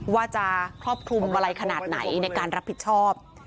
ว่าจะครอบคลุมอะไรขนาดไหนในการรับผิดชอบ